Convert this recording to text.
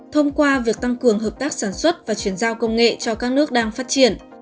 thông qua việc tăng cường hợp tác sản xuất và chuyển giao công nghệ cho các nước đang phát triển